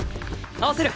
合わせる！